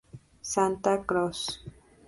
Santa Claus".